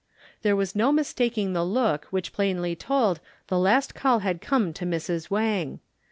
There was no mistaking the look which plainly told the last call had come to Mrs. Wang.